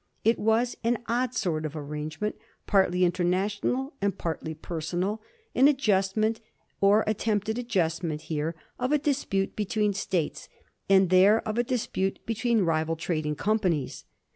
It was an odd sort of arrangement, partly in ternational and partly personal; an adjustment, or at tempted adjustment here of a dispute between States, and there of a dispute between rival trading companies.